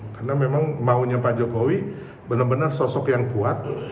karena memang maunya pak jokowi benar benar sosok yang kuat